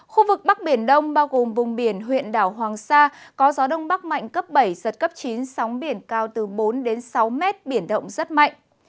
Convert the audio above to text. khu vực bắc biển đông bao gồm vùng biển huyện đảo hoàng sa có gió đông bắc mạnh cấp bảy giật cấp chín sóng biển cao từ bốn đến sáu mét biển động rất mạnh